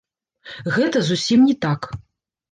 Гэта зусім не так.